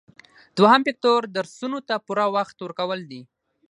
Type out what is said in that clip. دوهم فکتور درسونو ته پوره وخت ورکول دي.